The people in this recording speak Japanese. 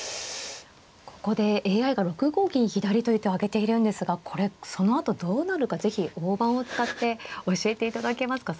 ここでＡＩが６五銀左という手を挙げているんですがこれそのあとどうなるか是非大盤を使って教えていただけますか。